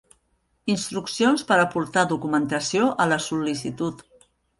Instruccions per aportar documentació a la sol·licitud.